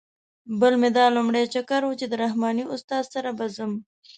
بل مې دا لومړی چکر و چې د رحماني استاد سره به ځم.